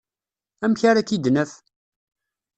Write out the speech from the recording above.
Amek ara k-id-naf?